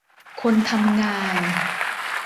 คนทำงาน